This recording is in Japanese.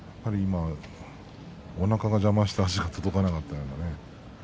おなかが邪魔して今、届かなかったですからね。